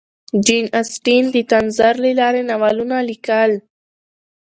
جین اسټن د طنز له لارې ناولونه لیکل.